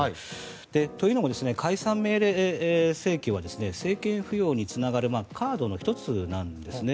というのも、解散命令請求は政権浮揚につながるカードの１つなんですね。